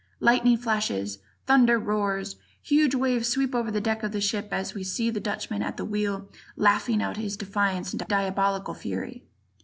Lightning flashes, thunder roars, huge waves sweep over the deck of the ship as we see the Dutchman at the wheel laughing out his defiance in diabolical fury.